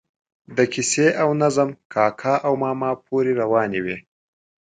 د کیسې او نظم کاکا او ماما پورې روانې وي.